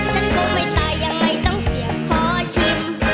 ฉันคงไม่ตายยังไงต้องเสียงขอชิม